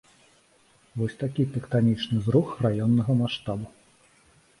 Вось такі тэктанічны зрух раённага маштабу.